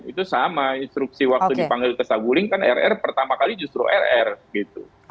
itu sama instruksi waktu dipanggil ke saguling kan rr pertama kali justru rr gitu